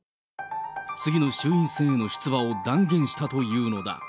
次の衆院選への出馬を断言したというのだ。